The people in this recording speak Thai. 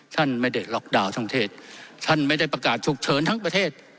ท่านไม่ได้ล็อกดาวน์ทั้งเทศท่านไม่ได้ประกาศฉุกเฉินทั้งประเทศ